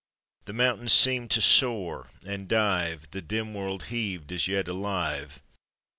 The mountains seemed to soar and dive; The dim world heaved as yet alive.